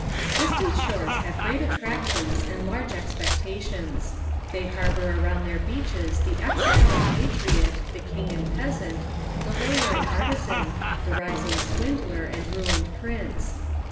Distant shores have great attractions and large expectations. They harbour around their beaches the exile and patriot, the king and peasant, the lawyer and artisan, the rising swindler and ruined prince.